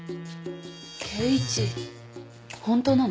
圭一本当なの？